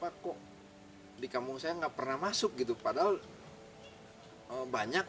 ada yang berpikir neh